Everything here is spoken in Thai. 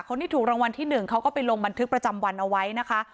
คนที่ถูกรางวัลที่๑เขาก็ไปลงบันทึกประจำวันเอาไว้นะคะ